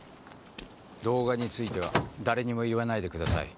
動画については誰にも言わないでください。